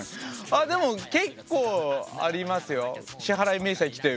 あでも結構ありますよ。